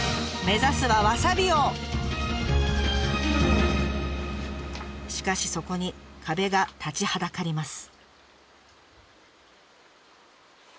目指すはしかしそこに壁が立ちはだかります。